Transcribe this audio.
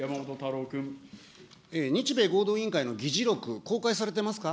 日米合同委員会の議事録、公開されてますか。